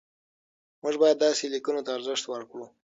موږ باید داسې لیکنو ته ارزښت ورکړو.